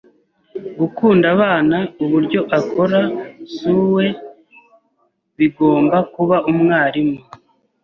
Gukunda abana uburyo akora Sue bigomba kuba umwarimu.